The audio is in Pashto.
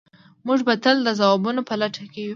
موږ به تل د ځوابونو په لټه کې یو.